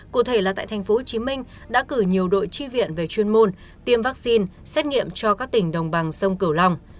cụ thể là tại thành phố hồ chí minh đã cử nhiều đội tri viện về chuyên môn tiêm vaccine xét nghiệm cho các tỉnh đồng bằng sông cửu long